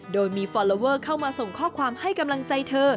โดยมีฟอลลอเวอร์เข้ามาส่งข้อความให้กำลังใจเธอ